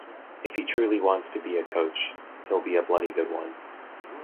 If he truly wants to be a coach, he'll be a bloody good one...